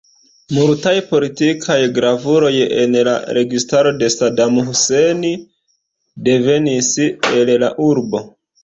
Multaj politikaj gravuloj en la registaro de Saddam Hussein devenis el la urbo.